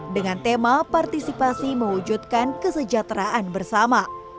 dengan tema partisipasi mewujudkan kesejahteraan bersama